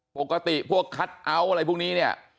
ปกติพวกคัทเอาท์อะไรพวกนี้เนี่ย